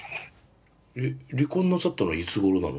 えっ離婚なさったのはいつごろなの？